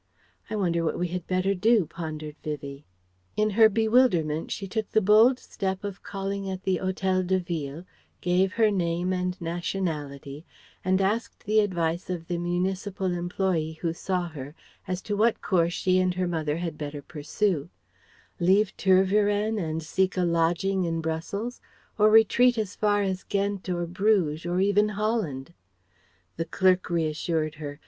"I wonder what we had better do?" pondered Vivie. In her bewilderment she took the bold step of calling at the Hotel de Ville, gave her name and nationality, and asked the advice of the municipal employé who saw her as to what course she and her mother had better pursue: leave Tervueren and seek a lodging in Brussels; or retreat as far as Ghent or Bruges or even Holland? The clerk reassured her.